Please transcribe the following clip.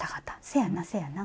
せやなせやな。